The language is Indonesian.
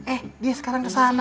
eh dia sekarang kesana